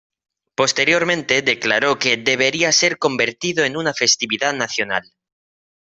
Posteriormente declaró que "debería ser convertido en una festividad nacional".